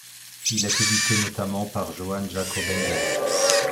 Il est éduqué notamment par Johann Jakob Engel.